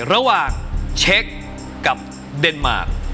ระหว่างเช็คกับเดนมาร์ค